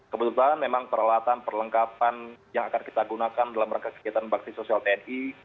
kebetulan memang peralatan perlengkapan yang akan kita gunakan dalam rangka kegiatan bakti sosial tni